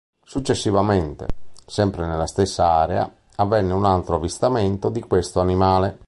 Successivamente, sempre nella stessa area, avvenne un altro avvistamento di questo animale.